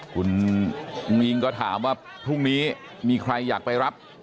คุณอุ้งอิงก็ถามว่าพรุ่งนี้มีใครอยากไปรับ